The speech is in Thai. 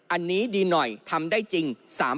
อันนี้ดีหน่อยทำได้จริง